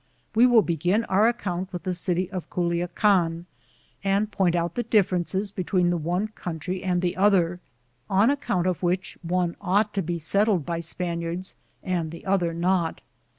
We will begin our account with the city of Culiacan, and point out the differ ences between the one country and the other, on account of which one ought to be settled by Spaniards and the other not.